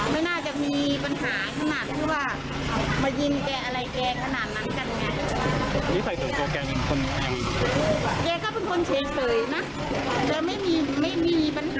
ไม่น่าจะมีปัญหาขนาดที่ว่ามายิงแกอะไรแกขนาดนั้นกันไง